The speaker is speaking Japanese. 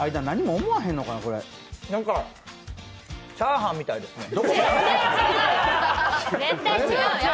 何かチャーハンみたいですね。